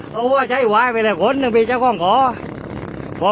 ป่าวว่าใจอิวายแบ่งแล้วคนปีเจ้าก็ยัง่อน